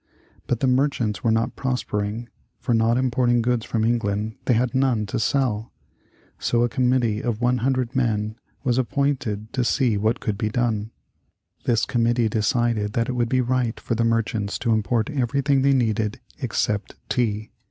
But the merchants were not prospering, for, not importing goods from England, they had none to sell. So a committee of 100 men was appointed to see what could be done. This committee decided that it would be right for the merchants to import everything they needed except tea.